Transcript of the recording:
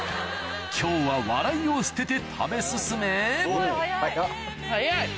今日は笑いを捨てて食べ進め早っ。